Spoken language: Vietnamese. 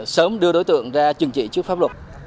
sớm đưa đối tượng ra chừng trị trước pháp luật